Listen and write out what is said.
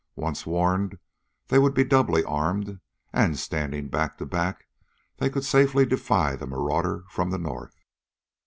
Once warned, they would be doubly armed, and, standing back to back, they could safely defy the marauder from the north.